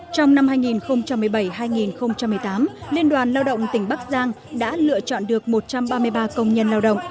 trong năm hai nghìn một mươi bảy hai nghìn một mươi tám liên đoàn lao động tỉnh bắc giang đã lựa chọn được một trăm ba mươi ba công nhân lao động